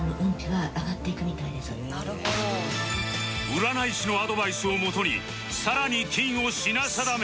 占い師のアドバイスをもとにさらに金を品定め